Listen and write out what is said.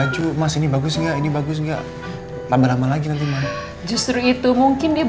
cantik sekali kamu mandi